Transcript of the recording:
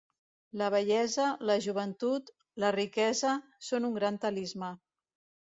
La bellesa, la joventut, la riquesa, són un gran talismà.